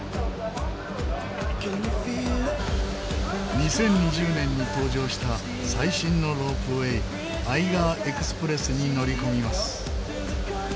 ２０２０年に登場した最新のロープウェーアイガー・エクスプレスに乗り込みます。